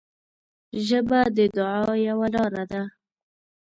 ژبه د دعا یوه لاره ده